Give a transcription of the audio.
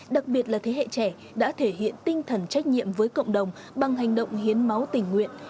đặc biệt là thế hệ trẻ đã thể hiện tinh thần trách nhiệm với cộng đồng bằng hành động hiến máu tình nguyện